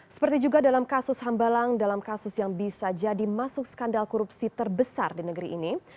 seperti juga dalam kasus hambalang dalam kasus yang bisa jadi masuk skandal korupsi terbesar di negeri ini